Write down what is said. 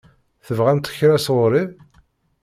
Tebɣamt kra sɣur-i?